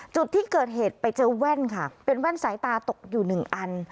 จุดที่เกิดเหตุไปเจอแว่นค่ะเป็นแว่นสายตาตกอยู่หนึ่งอัน